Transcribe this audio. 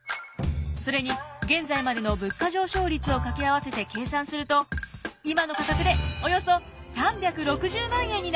それに現在までの物価上昇率を掛け合わせて計算すると今の価格でおよそ３６０万円になります。